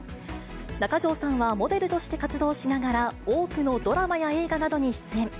中条さんはモデルとして活動しながら、多くのドラマや映画などに出演。